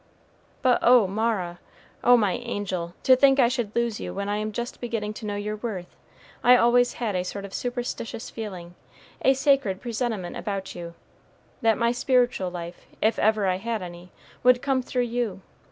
"But, oh Mara oh, my angel! to think I should lose you when I am just beginning to know your worth. I always had a sort of superstitious feeling, a sacred presentiment about you, that my spiritual life, if ever I had any, would come through you.